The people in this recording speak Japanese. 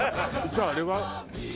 じゃああれは？